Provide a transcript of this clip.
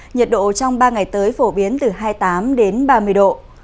nhiệt độ trong ba ngày tới phổ biến từ hai mươi tám đến ba mươi độ